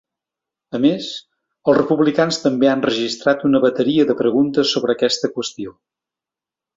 A més, els republicans també han registrat una bateria de preguntes sobre aquesta qüestió.